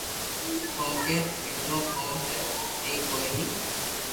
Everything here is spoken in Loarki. ڪونڪھ ٻآجو ڪون تو ھي ھي ڪوئي ني